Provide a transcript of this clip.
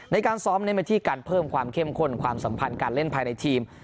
ในการซ้อมเน้นไปที่การเพิ่มความเข้มข้นความสัมพันธ์การเล่นภายในทีม